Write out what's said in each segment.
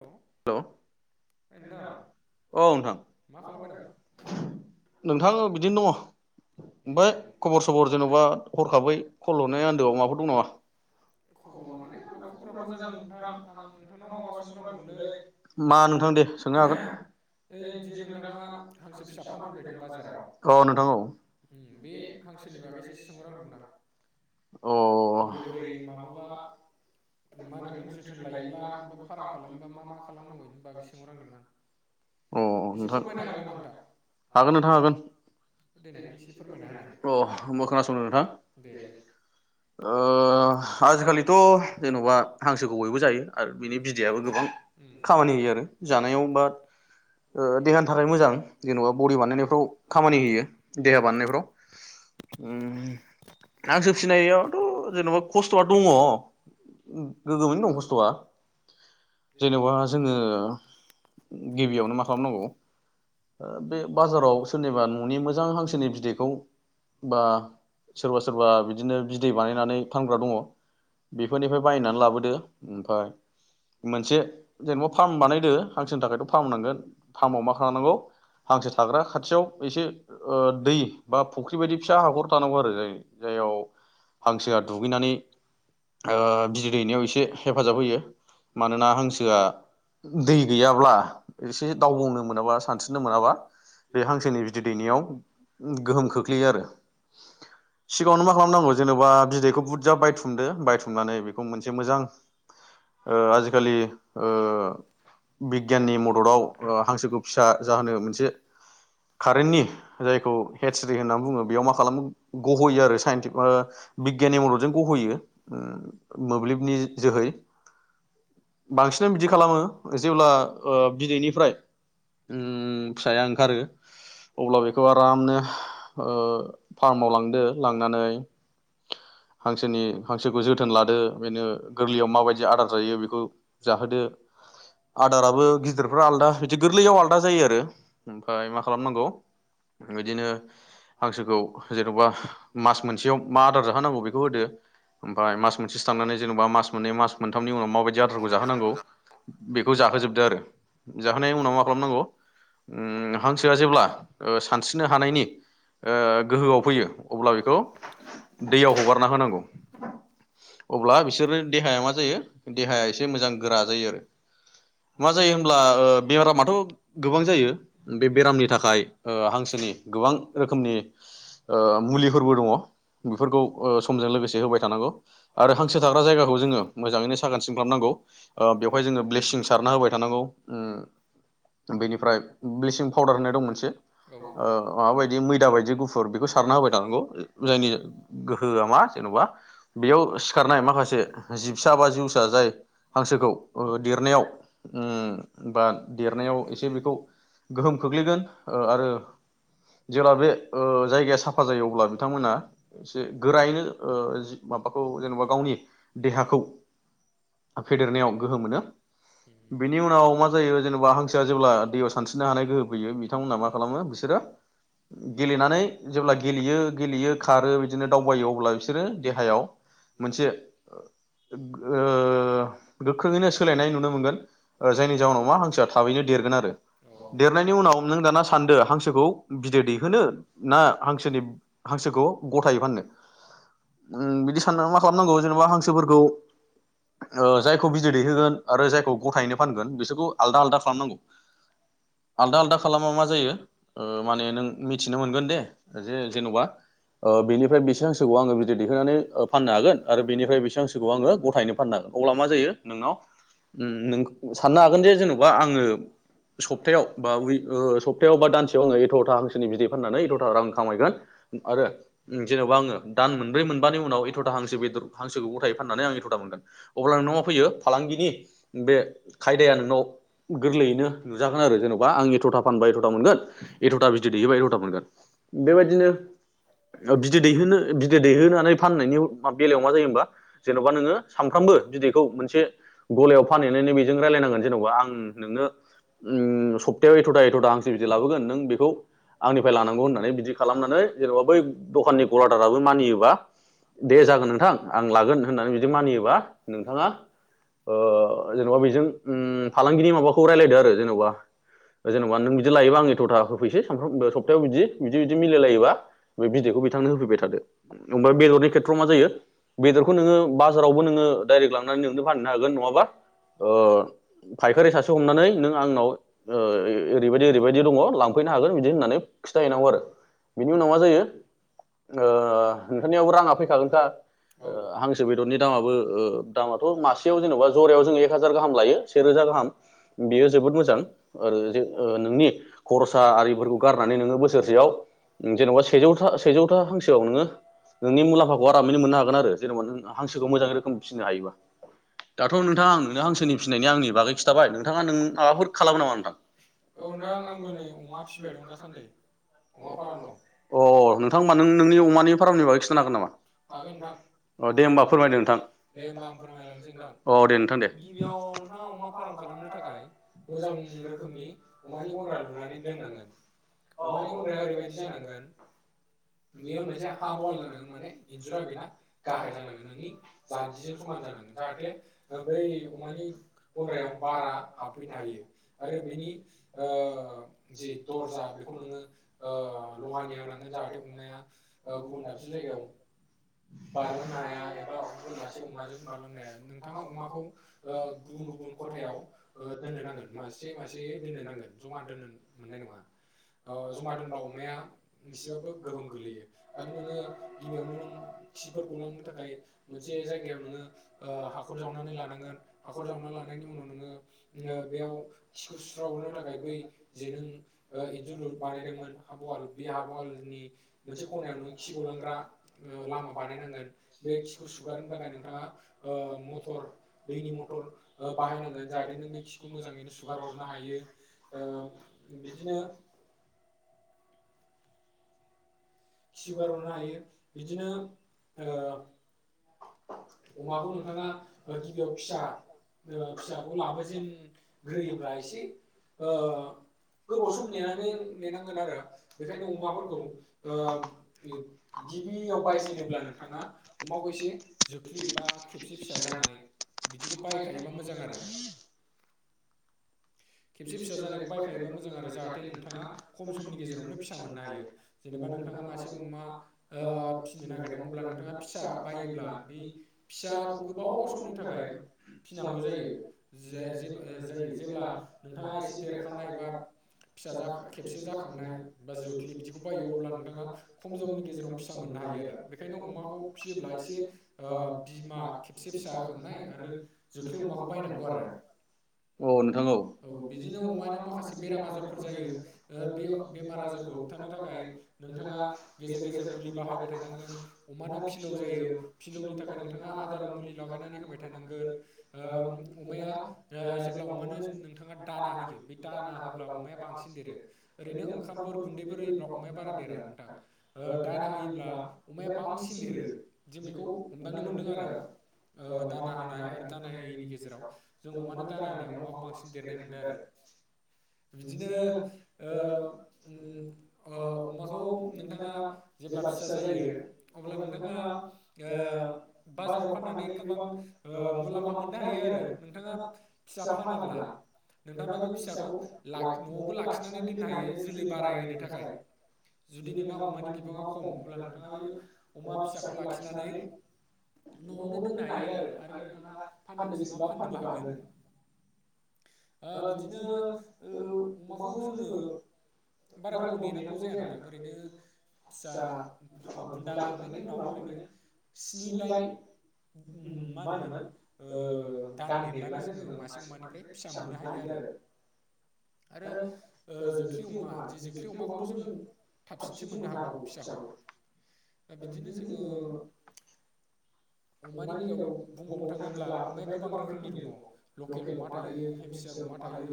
औ नोंथां हेलौ नोंथां मा खालामबाय दं नोंथां बिदिनो दङ ए ओमफ्राय खबर सबर जेनबा हरखाबै कल हरनाय आन्दोआव माबाफोर दं खबर माने आंनाबो खबरा मोजां नोंथां आं नोंथांनाव नामा माबा सोंहरहांदोंमोनलै [unintelligible] मा ओइ नोंथां दि नोंथाङा हांसो दे फिसा फानफैबाय दं सोंनो बाजाराव हागोन उम बे [unintelligible] हांसोनि बागैसो एसे अ सोंहरहांदोंमोन आं नोंथां बोरै बोरै औ माबाबा [unintelligible] मा होनोमोन अ जोथोन लायोब्ला बा [unintelligible] [unintelligible] अ फार्म नोंथां खालामोबा मा मा खालामनांगौ बेनि बागै सोंहरहांदोंमोन आं एसे फोरमायनो हागोन नामा नोंथां हागोन नोंथां हागोन देनाय [unintelligible] अ एसे फोरमायना होनाय ओमबा खोनासंदो नोंथां दे दे ओ आजिखालिथ जेनबा हांसोखौ बयबो जायो आरो बिनि बिदायाबो गोबां खामानि होयो आरो जानायाव उम बा देहानि थाखाय मोजां जेनबा बडि बानायनायफ्राव खामानि होयो देहा बानायनायफ्रोराव हांसो फिनायावथ' जेनबा खस्थआ दङ' गोगोमैनो दं खस्थ'आ जेनेबा जोङो गिबियावनो मा खालामनांगौ ओ‌ बे बाजाराव सोरनिबा न'नि मोजां हांसोनि बिदैखौ बा सोरबा-सोरबा बिदिनो बिदै बानायनानै फानग्रा दङ', बेफोरनिफ्राय बायनानै लाबोदो ओमफ्राय मोनसे जेनेबा फार्म बानायदो हांसोनि थाखायथ' फार्म नांगोन फार्माव मा खालामनांगौ हांसो थाग्रा खाथियाव एसे ओ दै बा फुख्रि बायदि फिसा हाखर थानांगौ आरो जाय जाययाव हांसोआ दुगैनानै ओ बिदि दैनायाव एसे हेफाजाब होयो मानोना हांसोआ दै गैयाब्ला एसे दावबावनो मोनाबा सान [unintelligible] मोनाबा बे हांसोनि बिदै दैनायाव गोहोम खोख्लैयो आरो। सिगाङावनो मा खालामनांगौ जेन'बा बिदैखौ बुरजा बायथुमदो, बायथुमनानै बेखौ मोनसे मोजां ओ आजि खालि ओ बिगियाननि मददाव हांसोखौ फिसा जाहोनो मोनसे कारेन्टनि जायखौ हेटस्रि होननानै बुङो बेयाव मा खालामो गह'यो आरो साइन्टिफ ओ बिगियानि मददजों गहोयो ओ मोब्लिबनि जोहै बांसिनानो बिदि खालामो जेब्ला ओ बिदैनिफ्राय उम फिसाया ओंखारो अब्ला बेखौ आरामनो ओ फार्माव लांदो, लांनानै हांसोनि हांसोखौ जोथोन लादो बेनो गोरलैयाव माबायदि आदार जायो बे खौ जाहोदो। आदाराबो गिदिरफ्रा आलदा बिदि गोरलैयाव आलदा जायो आरो। ओमफाय मा खालामनांगौ बिदिनो हांसोखौ जेनबा मास मोनसेयाव मा आदार जाहोनांगौ बे खौ होदो ओमफ्राय मास मोनसेसो थांनानै जेनेबा मास मोननै मास मोनथामनि उनाव माबायदि जि आदारफोरखौ जाहोनांगौ, बेखौ जाहोजोबदो आरो, जाहोनायनि उनाव मा खालामनांगौ, उम हांसोआ जेब्ला सानस्रिनो हानायनि ओ गोहोयाव फैयो अब्ला बेखौ दैयाव हगा हरना होनांगौ अब्ला बिसोरनि देहाया मा जायो देहाया एसे मोजां गोरा जायो आरो मा जायो होनब्ला ओ बेरामाथ' गोबां जायो बे बेरामनि थाखाय हांसोनि गोबां रोखोमनि ओ मुलिफोरबो दङ' बेफोरखौ ओ समजों लोगोसे होबाय थानांगौ आरो हांसो थाग्रा जायगाखौ जोङो मोजाङैनो साखोन-सिन खालामनांगौ, बेवहाय जोङो ब्लेसिं सारना होबाय थानांगौ उम बेनिफ्राय ब्लिसिं पाउदार होननाय दं मोनसे औ ओ माबाबायदि मैदा बायदि गुफुर बेखौ सारना होबाय थानांगौ। जायनि गोहोआ मा जेन'बा बेयाव सिखारनाय माखासे जिबसा बा जिउस जा जाय हांसोखौ देरनायाव उम बा देरनायाव एसे बेखौ गोहोम खोख्लैगोन आरो जेब्ला बे जायगाया साफा जायो अब्ला बिथांमोना एसे गोरायैनो ओ माबाखौ जेनेबा गावनि देहाखौ फेदेरनायाव गोहो मोनो बेनि उनाव मा जायो जेनेबा हांसोआ जेब्ला दैयाव सानस्रिनो हानाय गोहो फैयो बिथांमोनहा मा खालामो बिसोरो गेलेनानै जेब्ला गेलेयो गेलेयो खारो बिदिनो दावबायो अब्ला बिसोरो देहायाव मोनसे [inaudible] ओ गोख्रोङैनो सोलायनाय नुनो मोनगोन जायनि जाहोनाव मा हांसोआ थाबैनो देरगोन आरो देरनायनि उनाव नों दाना सानदो हांसोखौ बिदै दैहोनो ना हांसोनि हांसोखौ गथायै फाननो। उम बिदि साननानै मा खालामनांगौ जेनेबा हांसोफोरखौ। ओ जायखौ बिदै दैहोगोन आरो जायखौ गथायैनो फानगोन बिसोरखौ आलदा आलदा खालामनांगौ। आलदा आलदा खालामा मा जायो ओ माने नों मिथिनो मोनगोन दे जे जेन'बा ओ बेनिफ्राय बेसे हांसोखौ आंङो बिदै देखायनानै फाननो हागोन आरो बेनिफ्राय बेसे हांसोखौ आंङो गथायनो फाननो हागोन अब्ला मा जायो नोंनाव उम्म नों साननो हागोन जे जेन'बा आंङो स सप्तायाव बा वि ओ सप्तायाव बा दानसेयाव आंङो एथ'था हांसोनि बिदै फाननानै एथ'था रां खामायगोन आरो जेन'बा आंङो दान मोनब्रै मोनबानि उनाव एथ'था हांसो बेदर हांसोखौ गथाय फाननानै आंङो एथ'था मोनगोन। अब्ला नोंनाव मा फैयो फालांगिनि बे खायदाया नोंनाव गोरलैयैनो नुजा आरो जेन'बा आं एथ'था फानबा एथ'था मोनगोन एथ'था बिदै दैहोबा एथ'था मोनगोन बेबायदिनो बिदै दैहोनो बिदै दैहोनानै फाननायनि बेलायाव मा जायो होनबा जेन'बा नोङो सानफ्रामबो बिदैखौ मोनसे गलायाव फानहैनानै बेजों रायलायनांगोन जेन'बा आं नोंनो ओंन सप्तायाव एथ'था एथ'था हांसो बिदि लाबोगोन नों बेखौ आंनिफ्राय लानांगौ होननानै बिदि खालामनानै जेनेबा बै दखाननि गलादाराबो मानियोबा दे जागोन नोंथां आं लागोन होननानै बिदि मानियो बा नोंथांआ ओ जेनेबा बिजों उम्म फालांगिनि माबाखौ रायलायदो आरो जेनेबा जेनेबा नों बिदि लायोबा आं एथ'था होफैसै समफ्र सप्तायाव बिदि बिदि बिदि मिलायलायोबा बे बिदैखौ बिथांनो होफैबाय थादो उम बेदरनि खेथ्र'आव मा जायो बेदरखै नोंङो बाजाराव ओ दाइरेग लांनानै नोंनो फाननो हागोन नङाबा ओ फायखारि सासे हमनानै नों आंनाव ओ ओरैबायदि ओरैबायदि दङ लांफैनो हागोन बिदि होननानै खिथाहैनांगौ आरो बिनि उनाव मा जायो ओ नोंथांनियाव राङा फैखागोनखा ओ औ हांसो बेदरनि दामाबो ओ दामाथ' मासेयाव जेन'बा जरायाव जों एक हाजार गाहाम लायो सेेरोजा गाहाम बेयो जोबोद मोजां आरो जे ओ नोंनि खरसा आरिफोरखौ गारनानै नोङो बोसोरसेयाव जेन'बा सेजौथा सेजौथा हांसोआव नोङो नोंनि मुलाम्फाखौ आरामैनो मोननो हागोन आरो जेन'बा नों हांसोखौ मोजां रोखोम फिनो हायोबा दाथ' नोंथां नों हांसोनि फिसिनायनि आंनि बागै खोनथाबाय नोंथाङा नों माबाफोर खालामो नामा नोंथां औ नोंथां आंबो नै अमा फिसिबाय दं दासान्दै अमा फाराम दं अ नोंथां ओमबा नों नोंनि अमानि फारामनि बागै खिथानो हागोन नामा हागोन नोंथां अ दे ओमबा दे होमबा आं फोरमायलांसै औ दे दे नोंथां गिबियाव नोंथाङा अमा फाराम खालामनो थाखाय मोजां रोखोमनि अमानि गन्द्रा लुनानै दोननांगोन अमानि गन्द्राया ओरैबायदि जानांगोन बेयो मोनसे हाब'वाल जानांगोन माने इन्जुरा बेना गाहाय जानांगोन। जान्जिजों समान जानांगोन जाहाथे ओ बै अमानि गन्द्रायाव बारा हाब फैनो हायो आरो बिनि ओ जि दरजा बेखौ नोङो ओ लहानि होनांगोन जाहाथे अमाया ओ गुबुन दाबसे जायगायाव बारलांनो हाया एबा गुबन मासे अमों बारलांनाया नोंथाङा अमाखौ ओ गुबुन गुबुन खथायाव ओ दोननो नांगोन मासे मासे दोननो नांगोन जमा दोननो मोननाय नङा ओ जमा दोनबा अमाया एसेबाबो गोहोम गोलैयो आरो नोङो गिबियावनो नों खिफोरखौ लांनो थाखाय मोनसे जायगायाव नोङो ओ हाखर जावनानै लानांगोन हाखर जावना लानायनि उनाव नोङो ओ बेयाव खिखौ सुस्र हरनो थाखाय बै जेनों ओ एन्जुर बानायदोंमोन हाब'वाल बे हाब'वालनि मोनसे खनायाव नों खि गलांग्रा ओ लामा बानायनांगोन बे खि सुगारनो थाखाय नोंथाङा मथर दैनि मथर बाहायनांगोन जाहाथे नों बे खिखौ मोजाङैनो सुगार हरनो हायो ओ बिदिनो सुगार होननो हायो बिदिनो ओ अमाखौ नोंथाङा गिबियाव फिसा ओ फिसाखौ लाबोजेनग्रोयोब्ला एसे ओ गोबाव सम नेनानै नेनांगोन आरो बेखायनो अमाफोरखौ ओ गिबियाव बायजेनोब्ला नोंथाङा अमाखौ एसे जोख्लि बा खेबसे फिसा जानाय बिदिखौ बायखायोबा मोजां आरो खेबसे फिसा जानायखौ बायखायोबा मोजां आरो जाहाथे नोंथाङा खम समनि गेजेरावनो फिसा मोननो हायो जेनेबा नोंथाङा मासे अमा ओ फिसिनो नागिरदों अब्ला नोंथाङा फिसा बायोब्ला बे फिसाखौ गोबाव समनि थाखाय फिनांगौ जायो जायो जेब्ला नोंथाङा एसे देरखानायबा खबसे जाखांनाय बा ज बायो अब्ला नोंथाङा खमनिेजेराव फि [unintelligible] सा मोननो हायो आरो बेखायनो अमाखौ फिसियोब्ला एसे बिमा खबसे फिसाांनाय आरो जोख अमाखौ बायनांगौ आरो औ नोंथां औ औ बिदिनो अमानाव माखासे बेराम आजारफोर जायो बे बेमार आजारखौ होबथानो थाखाय नोंथाङा गेजेर गेजेर मुलि बाहायबाय थानांगोन अमानाव फिलौ जायो फिलौनि थाखाय नोंथाङा आदाराव मुलि लागायनानै होबाय थानांगोन ओ अमाया जेब्ला अमानो जों नोंथां दाना होयो बे दाना होब्ला अमाया बांसिन देरो ओरैनो ओंखामफोर गुन्दैफोर होयोब्ला अमाया बारा देरा नोंथां दाना होयोब्ला अमाया बांसिन देरो जों बेखौ हमदांनो मोनदों आरो ओ दाना होनाय आरो दाना होयिनि गेजेराव जों अमानो दाना होनायाव अमाखौ बांसिन देरनाय मोनदों आरो बिदिनो ओ ओम ओ अमाखौ नोंथाङा जेब्ला फिसा जायो अब्ला नोंथाङा ओ बाजाराव फाननानै गोबां ओ मुलाम्फा मोननो हायो आरो नोंथाङा फिसा फानाब्ला नोंथाङा बे फिसाखौ न'आवखौ लाखिनानै दोननो हायो जोलै बारायहो थाखाय जुदि नोंहा अमानि बिबाङा खम अब्ला नोंथाङाबो अमा फिसाखौ लाखिनानै न'आवनो दोननो हायो आरो आरो नोंथाङा फाननो गोसोबा फाननोबो हागोन बिदिनो ओ अमाखौ जोङो बारा गोबाव नेनांगौ जाया नोंथां ओरैनो फिसा बुन्दा होखांनायनि उनाव ओरैनो स्नि दाइन मा होनोमोन ओ दान नेब्लानो जोङो मासे अमानिफ्राय फिसा मोननो हायो आरो आरो जोख्लि अमा जोख्लि अमाखौथ' जों हाबसिनसो मोननो हागावौ फिसाखौ दा बिदिनो जोङो अमानि उनायाव बुंबावनो थाङोब्ला अमाया गोबां रोखोमनि दङ लकेल अमा हेमसियार अमा थायो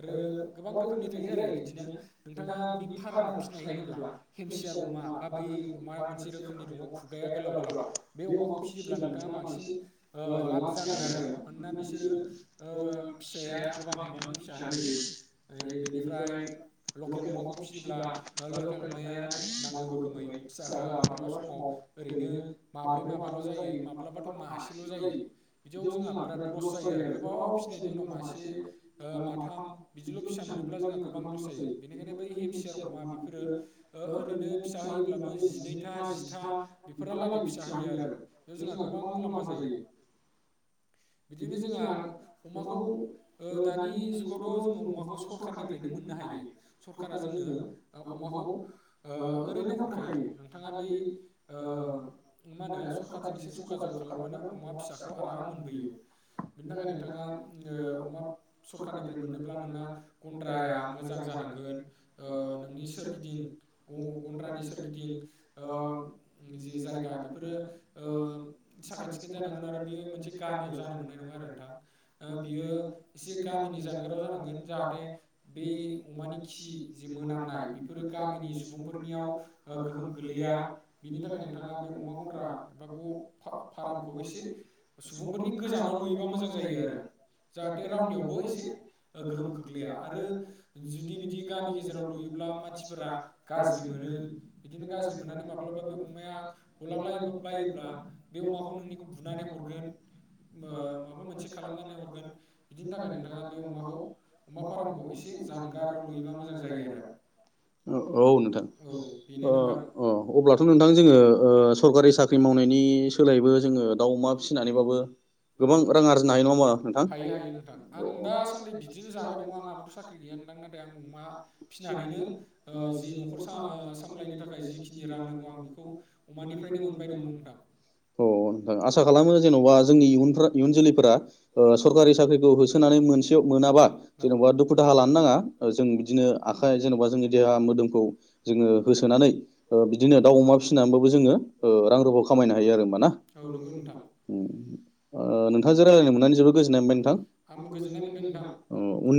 आरो गोबां रोखोमनि थायो आरो इदिनो नोंथांआ बे फार्म आव फिनाय होनोब्ला हेमसियार अमा बा बै अमा मोनसे रोखोमनि दङ खुगाया गोलाव गोलाव बे अमाखौ फिसियोब्ला फियोब्ला नोंथाङा नोंथांआ बांसिन लाब जागोन आरो मानोना बिसोरो ओ फिसाया गोबां बिबांनि फिसा होयो बेनिफ्राय लकेल अमाखौ फियोब्ला लकेल अमाया नांगौ रोखोमै फिसा होआ माब्लाबा समाव ओरैनो माब्रै माबाल जायो माब्लाथ' मासेल' जायो बिदियावनो बिमाफ्रा लज जायो आरो गोबाव बेनि उनाव मासे माथाम बिदिल' फिसा मोनोब्ला जोंहा गोबां लस जायो बेनिखायनो बै हेमसियार अमा बेफोरो ओरैनो फिसा होयोब्लाबो जिनैथा जिथा बेफोरहालागै फिसा होयो आरो बे जोंहा गोबां मुलाम्फा जायो बिदिनो जोंहा अमाखौ दानि जुगावथ' जोङो अमाखौ सरखारनिफ्रायनो मोननो हायो सरखारा जोंनो ओ माखौ ओ ओरैनो हरखायो नोंथाङा बै ओ मा होनो सरखारजों एसे जगाजग खालामबानो अमा फिसाखौ आराम मोनबोयो [unintelligible] नोंथाङा ओ अमा सरखारनिफ्राय मोननोब्ला नोंना गन्द्राया मोजां जानांगोन ओ नोंनि सोरगिदिं गन्द्रानि सोरगिदिं ओ जि जायगा बेफोरो ओ साखोन सिखोन जानांगोन आरो बेयो मोनसे गामियाव जान जानो मोननाय नङा आरो नोंथां ओ बियो एसे गामिनि जानगाराव जानांगोन जाहाथे बे अमानि खि जे मोनामनाय बेफोरो गामिनि सुबुंफोरनियाव ओ गोहोम गोलैया बिनि थाखाय नोंथाङा बे अमा गन्द्रा एबा फारामखौ एसे सुबुंफोरनि गो गोजानाव लुयोबा मोजां जा जायोआरो जाहाथे रावनियावबो एसे गोहोम खोख्लैया आरो जुदि बिदि गामि गेजेराव लुयोब्ला मानसिफोरा गाज्रि मोनो बिदिनो गाज्रि मोननानै माब्लाबा बे अमाया गलांल बायोब्ला बे अमाखौ नोंनिखौ बुनानै हरगोन माबा मोनसे औ खालामनानै हरगोन बिदिनि थाखाय नोंथाङा बे अमाखौ अमा फार्मखौ एसे जानगाराव लुयोबा मोजां जायो आरो नोंथां औ बेनो अ नोंथां अ ओ अब्लाथ' नोंथां जोङो सरखारि साख्रि मावनायनि सोलायबो जोङो दाउ अमा फिसिनानैबाबो गोबां रां आरजिनो हायो नङा होनबा हायो हायो नोंथां आं दासान्दि बिदिनो जाबाय दङ आंहाबोथ' साख्रि गैया नोंथां नाथाय आं अमा फिनानैनो ओ जि न'खर सा ओ सामलायनो थाखाय जिखिनि रां नांगौ आं बेखौ अमानिफ्रायनो मोनबाय दङ नोंथां नोंथां अह नोंथां आसा खालामो जेन'बा जोंनि इयुन इयुन जोलैफोरा ओ सरकारि साख्रिखौ होसोनानै मोनसेयाव मोनाबा औ जेन'बा दुखु दाहा लानो नाङा जों बिदिनो आखाइ जेनेबा जोङो देहा मोदोमखौ जोङो होसोनानै ओ बिदिनो दाउ अमा फिसिनानैबो जोङो ओ रां रुफा खामायनो हायो आरो होनबा ना औ नंगौ नोंथां ओ नोंथांजों रायजलायनो मोननानै जोबोद गोजोननाय मोनबाय नोंथां आंबो गोजोननाय मोनदों नोंथां ओ उननि